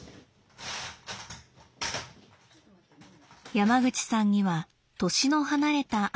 山口さんには年の離れた兄がいます。